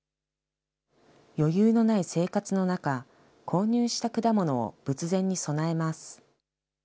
余裕のない生活の中、購入した果物を仏前に供えます。